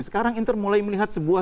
sekarang inter mulai melihat sebuah